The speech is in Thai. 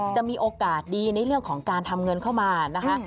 จะมีโอกาสดีในเรื่องของการทำเงินเข้ามานะคะ